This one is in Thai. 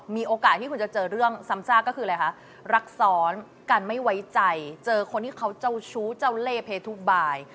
มีโอกาสที่คุณจะเจอเรื่องซ้ำซากก็คืออะไรคะรักซ้อนกันไม่ไว้ใจเจอคนที่เขาเจ้าชู้เจ้าเล่เพลทุกบาย